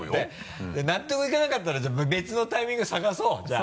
納得いかなかったらじゃあ別のタイミング探そうじゃあ。